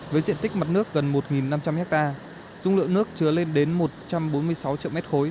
với diện tích mặt nước gần một năm trăm linh ha dung lượng nước chứa lên đến một trăm bốn mươi sáu triệu m ba